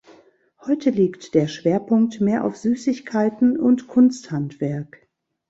Heute liegt der Schwerpunkt mehr auf Süßigkeiten und Kunsthandwerk.